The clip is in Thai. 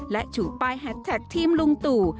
และชูป้ายแฮดแท็กทีมลุงตู่